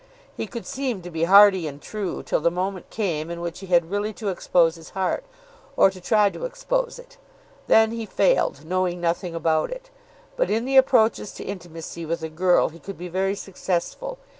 He could seem to be hearty and true till the moment came in which he had really to expose his heart, or to try to expose it. Then he failed, knowing nothing about it. But in the approaches to intimacy with a girl he could be very successful.